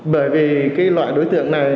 bởi vì cái loại đối tượng này